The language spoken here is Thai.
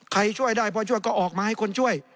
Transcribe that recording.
ใครช่วยได้พอช่วยก็ออกมาให้คนช่วย